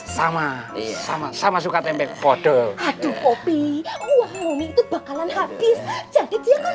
sama sama sama suka tempe bodoh haduh popi uang itu bakalan habis jadi dia kan